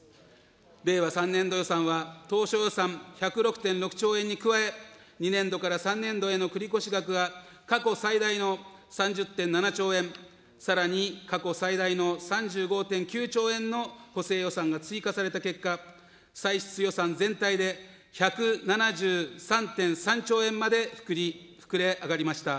令和３年度予算は、当初予算１０６．６兆円に加え、２年度から３年度への繰越額は過去最大の３０．７兆円、さらに過去最大の３５．９兆円の補正予算が追加された結果、歳出予算全体で１７３．３兆円まで膨れ上がりました。